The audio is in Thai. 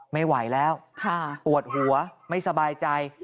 ไม่ไหวแล้วปวดหัวไม่สบายใจ